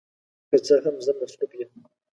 که څه هم، زه مصروف یم.